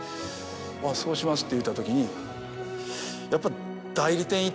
「あっそうします」って言うた時にやっぱ。